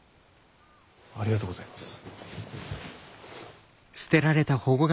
ありがとうございます。